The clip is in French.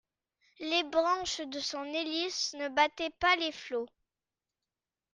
Les branches de son hélice ne battaient pas les flots.